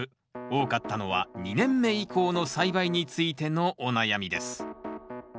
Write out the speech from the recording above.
多かったのは２年目以降の栽培についてのお悩みです。